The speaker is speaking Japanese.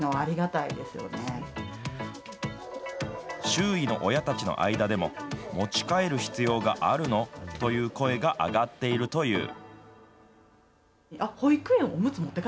周囲の親たちの間でも、持ち帰る必要があるの？という声が上がっているという。